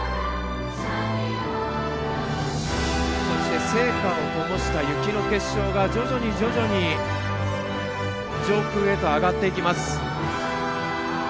そして、聖火をともした雪の結晶が、徐々に徐々に上空へと上がっていきます。